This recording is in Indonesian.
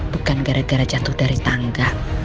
bukan gara gara jatuh dari tangga